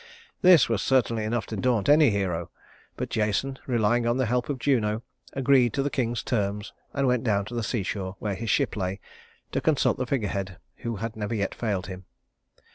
This was certainly enough to daunt any hero, but Jason, relying on the help of Juno, agreed to the king's terms and went down to the seashore, where his ship lay, to consult the figurehead who had never yet failed him.